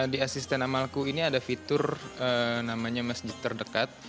di asisten amalku ini ada fitur namanya masjid terdekat